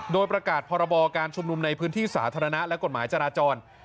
โดยประกาศพรบการชุมนุมในพื้นที่สาธารณะและกฎหมายจราจร